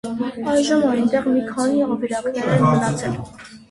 Այժմ այնտեղ մի քանի ավերակներ են մնացել։